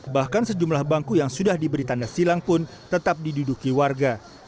bahkan sejumlah bangku yang sudah diberi tanda silang pun tetap diduduki warga